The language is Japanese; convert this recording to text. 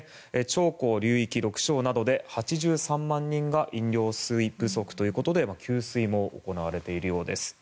長江流域６省などで８３万人が飲料水不足ということで給水も行われているようです。